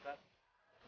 acing kos di rumah aku